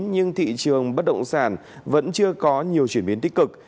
nhưng thị trường bất động sản vẫn chưa có nhiều chuyển biến tích cực